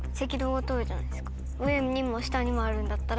上にも下にもあるんだったら。